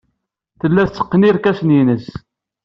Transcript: Tella tetteqqen irkasen-nnes.